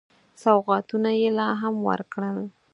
سوغاتونه یې لا هم ورکړل.